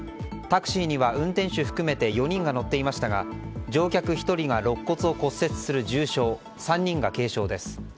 タクシーには運転手含めて４人が乗っていましたが乗客１人が肋骨を骨折する重傷３人が軽傷です。